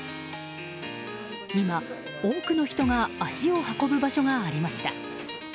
今、多くの人が足を運ぶ場所がありました。